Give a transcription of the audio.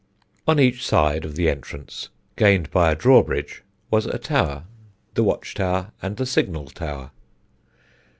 On each side of the entrance, gained by a drawbridge, was a tower the Watch Tower and the Signal Tower.